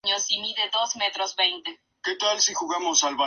Se disputó en la ciudad de Wuhan, China.